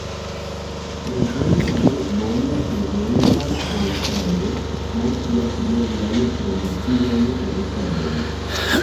Prezento de bona sezona dolĉaĵo montras bonan tradician edukadon.